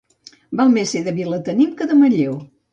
Val més ser de Vilatenim que de Manlleu.